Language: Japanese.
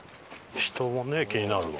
人ね気になるわ。